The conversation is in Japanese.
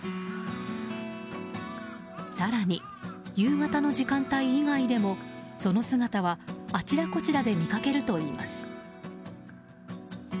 更に夕方の時間帯以外でもその姿はあちらこちらで見かけるといいます。